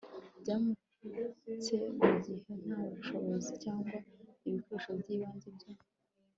byumutse mu gihe nta bushobozi cyangwa ibikoresho by'ibanze byo